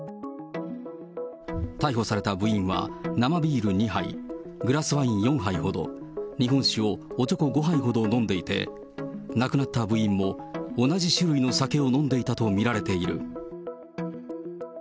逮捕された部員は、生ビール２杯、グラスワイン４杯ほど、日本酒をおちょこ５杯ほど飲んでいて、亡くなった部員も同じ種類の酒を飲んでいたと見られている。